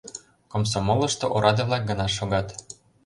Комсомолышто ораде-влак гына шогат.